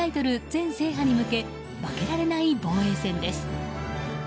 全制覇に向け負けられない防衛戦です。